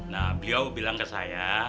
nah beliau bilang ke saya